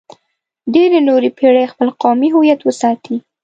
ډېرې نورې پېړۍ خپل قومي هویت وساتئ.